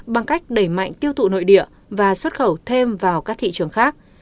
bằng cách đẩy mạnh tiêu thụ nội địa và xuất khẩu thêm vào các thị trường khác